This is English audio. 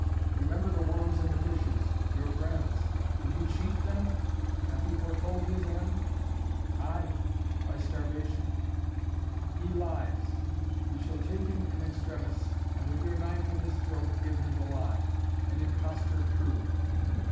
Remember the worms and the fishes your friends. Would you cheat them? Hath he foretold his end?" "Ay by starvation." "He lies! You shall take him in extremis and, with your knife in his throat, give him the lie. An impostor proved.